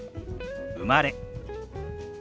「生まれ」。